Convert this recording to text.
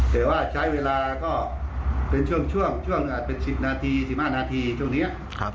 แต่ว่าใช้เวลาก็เป็นช่วงช่วงเป็น๑๐นาที๑๕นาทีช่วงนี้